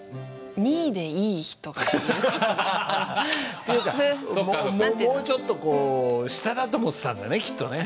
２位でいい人。というかもうちょっとこう下だと思ってたんだねきっとね。